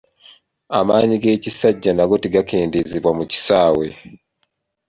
Amaanyi g'ekisajja nago tegakendeezebwa mu kisaawe.